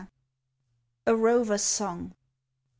A ROVER'S SONG.